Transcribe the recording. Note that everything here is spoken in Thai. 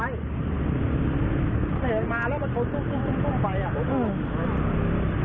เสียงมาแล้วมันทนทุกไปอ่ะ